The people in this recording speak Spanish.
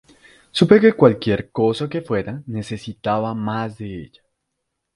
Supe que cualquier cosa que fuera, necesitaba más de ella.